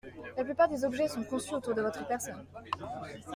La plupart des objets sont conçus autour de votre personne.